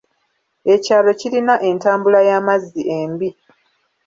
Ekyalo kirina entambula y'amazzi embi.